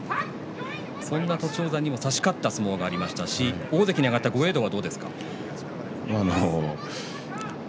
そんな栃煌山にも差し勝った相撲がありましたし大関に上がった豪栄道はどうですか？